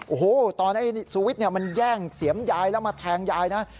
โอ้โหตอนไอ้สูวิทย์มันแย่งเสียมยายแล้วมาแทงยายนะ